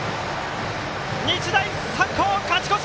日大三高、勝ち越し！